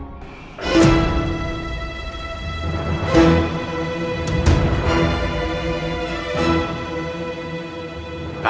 aku akan kembali ke rumah